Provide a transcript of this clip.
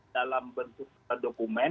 dalam bentuk dokumen